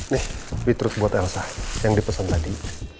nih beatrut buat elsa yang dipesan tadi